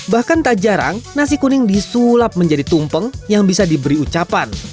bahkan tak jarang nasi kuning disulap menjadi tumpeng yang bisa diberi ucapan